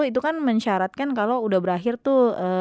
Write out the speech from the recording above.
itu kan mensyaratkan kalau udah berakhir tuh